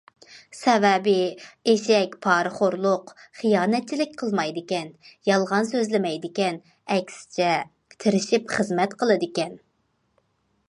سەۋەبى ئېشەك پارىخورلۇق، خىيانەتچىلىك قىلمايدىكەن، يالغان سۆزلىمەيدىكەن، ئەكسىچە تىرىشىپ خىزمەت قىلىدىكەن.